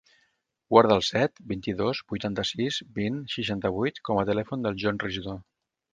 Guarda el set, vint-i-dos, vuitanta-sis, vint, seixanta-vuit com a telèfon del John Regidor.